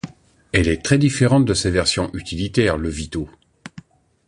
Elle est très différente de sa version utilitaire le Vito.